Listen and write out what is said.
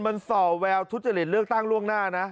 มันส่อแววทุจริตเลือกตั้งล่วงหน้านะ